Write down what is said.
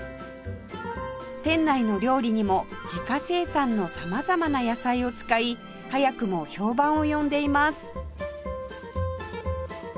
店内の料理にも自家生産の様々な野菜を使い早くも評判を呼んでいます